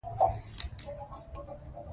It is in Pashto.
شل اوریز کرکټ ډېر چټک او خوښوونکی دئ.